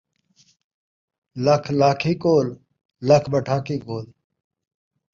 لکھ لاکھی کول ، لکھ ٻٹاکی کول